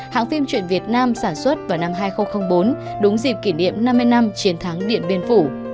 hãng phim truyện việt nam sản xuất vào năm hai nghìn bốn đúng dịp kỷ niệm năm mươi năm chiến thắng điện biên phủ